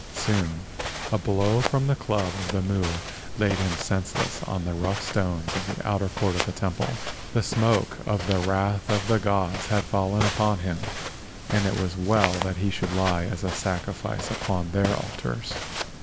Soon a blow from the club of the Mu laid him senseless on the rough stones of the outer court of the temple. The smoke of the wrath of the gods had fallen upon him, and it was well that he should lie as a sacrifice upon their altars.